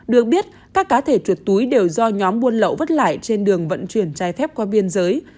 được biết các cá thể chuột túi đều do nhóm buôn lậu vất lại trên đường vận chuyển chai thép qua biên giới